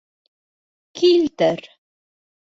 Килтер.